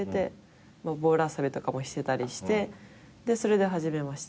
ボール遊びとかもしてたりしてそれで始めました。